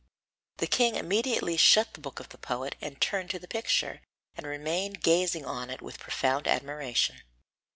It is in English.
The king immediately shut the book of the poet and turned to the picture, and remained gazing on it with profound admiration.